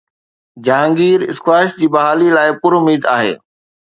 Jahangir squash جي بحاليءَ لاءِ پراميد آهي